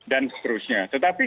dan seterusnya tetapi